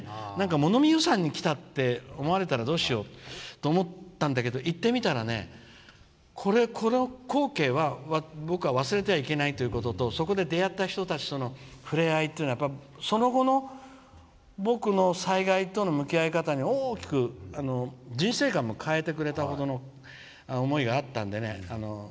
物見遊山に思われたらどうしようと行ってみたら、この光景は僕は忘れちゃいけないということとそこで出会った人との触れ合いっていうのはその後の僕の災害との向き合い方に大きく人生観も変えてくれたほどの思いがあったんでね